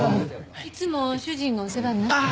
いつも主人がお世話になってます。